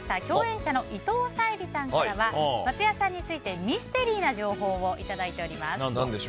共演者の伊藤沙莉さんからは松也さんについてミステリーな情報をいただいております。